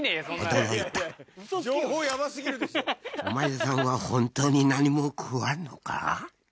「お前さんは本当に何も食わんのか？」